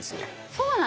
そうなの？